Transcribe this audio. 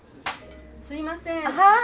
・すいません・はい。